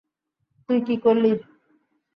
তুই কী করলি?